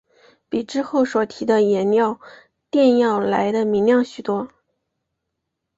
比之后所提的颜料靛要来得明亮许多。